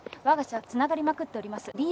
わが社はつながりまくっております。